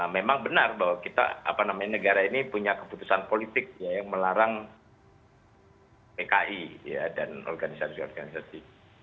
memang benar bahwa kita negara ini punya keputusan politik yang melarang pki dan organisasi organisasi